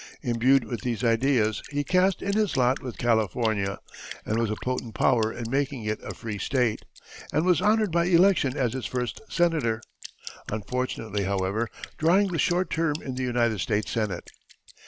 Imbued with these ideas he cast in his lot with California, and was a potent power in making it a free State, and was honored by election as its first Senator, unfortunately, however, drawing the short term in the United States Senate.